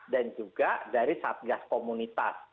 dan juga dari satgas komunitas